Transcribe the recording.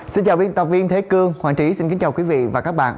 xin chào biên tập viên thế cương hoàng trí xin kính chào quý vị và các bạn